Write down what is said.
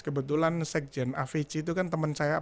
kebetulan sekjen afeci itu kan temen saya